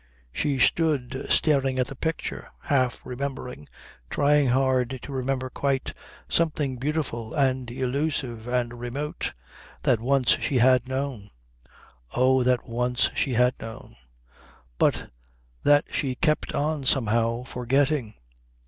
She stood staring at the picture, half remembering, trying hard to remember quite, something beautiful and elusive and remote that once she had known oh, that once she had known but that she kept on somehow forgetting.